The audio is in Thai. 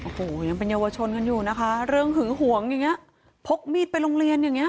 โอ้โหยังเป็นเยาวชนกันอยู่นะคะเรื่องหึงหวงอย่างเงี้พกมีดไปโรงเรียนอย่างเงี้